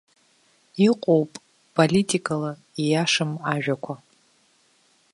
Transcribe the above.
Иҟоуп политикала ииашам ажәақәа.